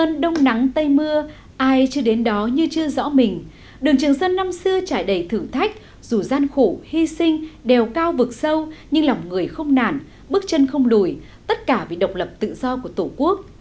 trường sơn đông nắng tây mưa ai chưa đến đó như chưa rõ mình đường trường sơn năm xưa trải đầy thử thách dù gian khổ hy sinh đèo cao vực sâu nhưng lòng người không nản bước chân không lùi tất cả vì độc lập tự do của tổ quốc